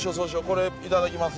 「これいただきます」